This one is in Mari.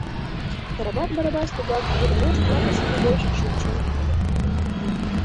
Карабас Барабас тугак йӱр вошт лакысе вӱдеш шинчен кодо.